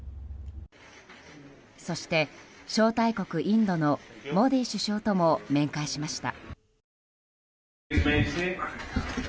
そして、招待国インドのモディ首相とも面会しました。